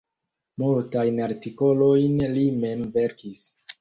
Multajn artikolojn li mem verkis.